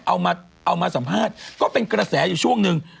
เอามาสัมภาษณ์ก็เป็นกระแสอยู่ช่วงหนึ่ง